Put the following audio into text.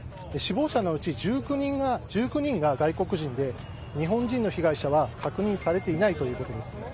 死亡者のうち１９人が外国人で日本人の被害者は確認されていないということです。